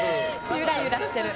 ゆらゆらしてる。